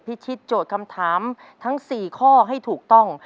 พิชิตโจทย์คำถามทั้ง๔ข้อให้ถูกต้อง